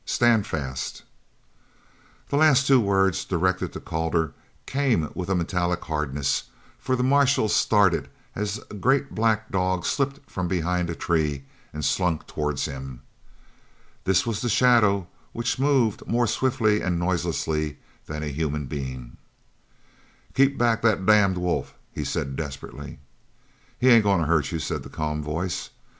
"Stand fast!" The last two words, directed to Calder came, with a metallic hardness, for the marshal started as a great black dog slipped from behind a tree and slunk towards him. This was the shadow which moved more swiftly and noiselessly than a human being. "Keep back that damned wolf," he said desperately. "He ain't goin' to hurt you," said the calm voice.